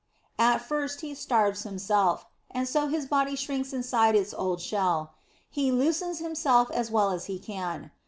At first he starves himself, and so his body shrinks inside its old shell. He loosens himself as well as he can.